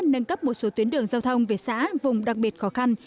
nâng cấp một số tuyến đường giao thông về xã vùng đặc biệt khó khăn